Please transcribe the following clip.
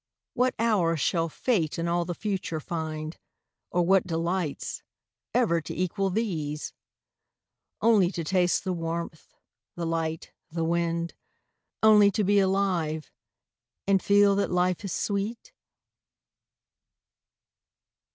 What hour shall Fate in all the future find, Or what delights, ever to equal these: Only to taste the warmth, the light, the wind, Only to be alive, and feel that life is sweet?